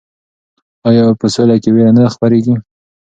آیا په سوله کې ویره نه خپریږي؟